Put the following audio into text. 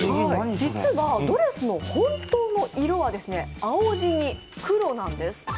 実はドレスの本当の色は青地に黒なんです。